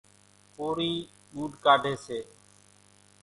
ڪورِي ڳوُڏ ڪاڍيَ سي۔